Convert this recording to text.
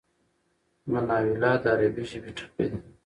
مناوله د عربي ژبی ټکی دﺉ.